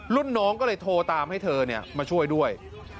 รุ่นน้องก็เลยโทรตามให้เธอมาช่วยด้วย